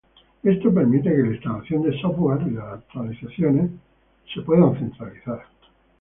Esto permite que la instalación de software y las actualizaciones puedan ser centralizadas.